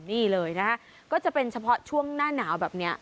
นี่เลยนะคะก็จะเป็นเฉพาะช่วงหน้าหนาวแบบนี้